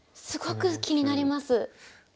すごく気になります。